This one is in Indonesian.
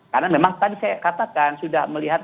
karena memang tadi saya katakan sudah melihat